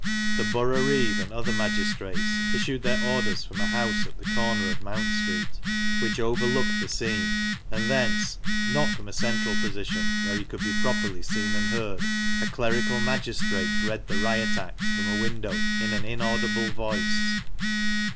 The boroughreeve and other magistrates issued their orders from a house at the corner of Mount Street, which overlooked the scene ; and thence (not from a central position, where he could be properly seen and heard) a clerical magistrate read the Riot Act from a window in an inaudible voice.